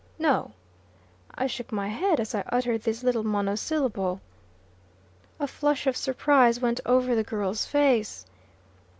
"No." I shook my head as I uttered this little monosyllable. A flush of surprise went over the girl's face.